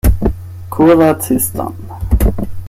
Kuraciston!